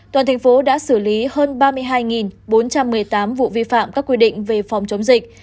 toàn thành phố đã xử lý hơn ba mươi hai bốn trăm một mươi tám vụ vi phạm các quy định về phòng chống dịch